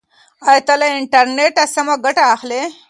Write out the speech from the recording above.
ایا ته له انټرنیټه سمه ګټه اخلې؟